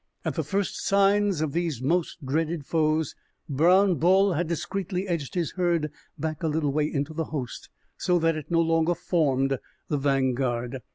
At the first signs of these most dreaded foes, Brown Bull had discreetly edged his herd back a little way into the host, so that it no longer formed the vanguard.